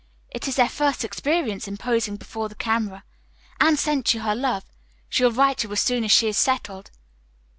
It is their first experience in posing before the camera. Anne sent you her love. She will write you as soon as she is settled."